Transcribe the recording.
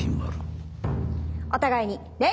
お互いに礼！